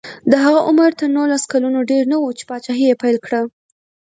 د هغه عمر تر نولس کلونو ډېر نه و چې پاچاهي یې پیل کړه.